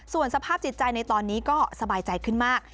ส่วนสภาพจิตใจในตอนนี้ก็สบายใจขึ้นมาก